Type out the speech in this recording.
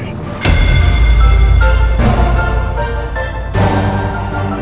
yelza itu hamil sama roy